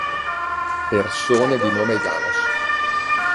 Persone di nome János